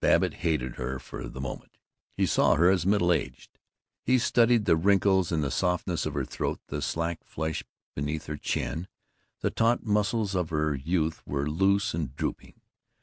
Babbitt hated her, for the moment. He saw her as middle aged. He studied the wrinkles in the softness of her throat, the slack flesh beneath her chin. The taut muscles of her youth were loose and drooping.